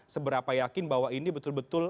seberapa yakin bahwa ini betul betul